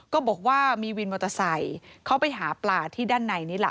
ก็บอกว่ามีวินมอเตอร์ไซค์เขาไปหาปลาที่ด้านในนี้ล่ะ